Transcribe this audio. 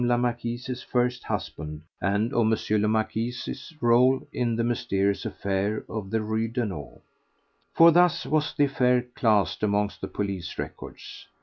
la Marquise's first husband and of M. le Marquis's rôle in the mysterious affair of the Rue Daunou. For thus was the affair classed amongst the police records.